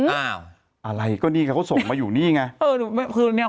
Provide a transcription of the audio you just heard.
อะไรก็นี่ไงเขาส่งมาอยู่นี่ไง